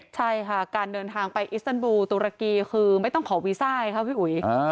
ใช่ค่ะการเดินทางไปอิสตันบูตุรกีคือไม่ต้องขอวีซ่าไงค่ะพี่อุ๋ย